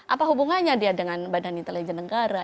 apa hubungannya dia dengan badan intelijen negara